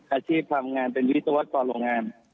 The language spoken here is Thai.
อาชีพทำงานเป็นวิทย์ตัวต่อโรงงาน